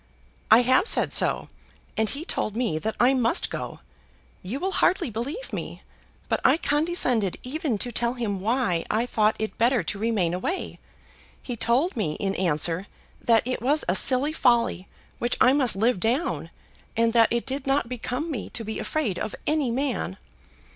"I have said so, and he told me that I must go. You will hardly believe me, but I condescended even to tell him why I thought it better to remain away. He told me, in answer, that it was a silly folly which I must live down, and that it did not become me to be afraid of any man."